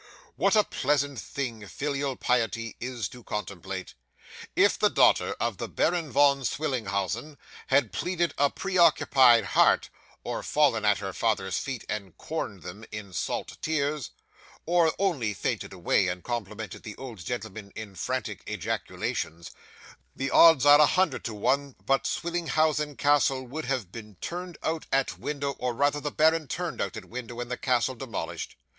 'What a pleasant thing filial piety is to contemplate! If the daughter of the Baron Von Swillenhausen had pleaded a preoccupied heart, or fallen at her father's feet and corned them in salt tears, or only fainted away, and complimented the old gentleman in frantic ejaculations, the odds are a hundred to one but Swillenhausen Castle would have been turned out at window, or rather the baron turned out at window, and the castle demolished.